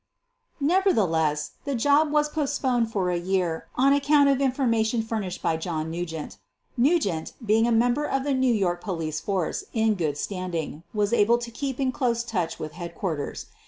Nevertheless the job was postponed for a year on account of information furnished by John Nu gent. Nugent, being a member of the New York police force in good standing, was able to keep in close touch with headquarters.